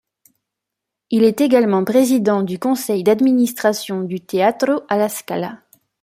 Il est également président du conseil d'administration du Teatro alla Scala.